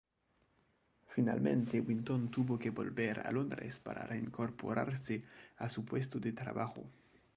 Finalmente Winton tuvo que volver a Londres para reincorporarse a su puesto de trabajo.